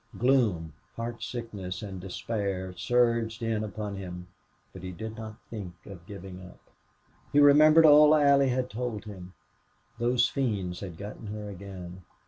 Gloom, heartsickness, and despair surged in upon him, but he did not think of giving up. He remembered all Allie had told him. Those fiends had gotten her again.